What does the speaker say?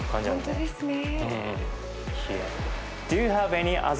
本当ですね。